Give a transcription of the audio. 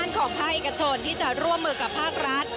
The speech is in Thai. ด้านของพ่ายกระโชนที่จะร่วมมือกับภาครัฐ